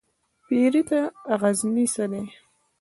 پيري ته غزنى څه دى ؟